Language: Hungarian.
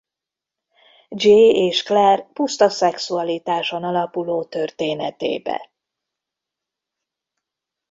Jay és Claire puszta szexualitáson alapuló történetébe.